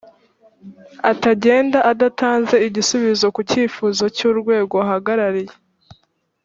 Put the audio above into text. atagenda adatanze igisubizo ku cyifuzo cy’urwego ahagarariye